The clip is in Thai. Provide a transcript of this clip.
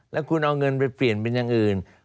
แล้วคุณเอาเงินไปเปลี่ยนเป็นอย่างอื่น